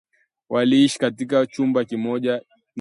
Waliishi katika chumba kimoja na Salma